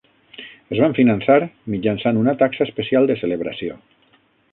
Es van finançar mitjançant una taxa especial de celebració.